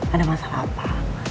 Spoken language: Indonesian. ada masalah apa